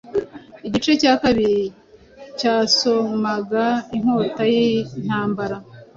Igice cya kabiri cyasomagainkota yintambara